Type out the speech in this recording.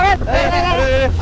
elah elah elah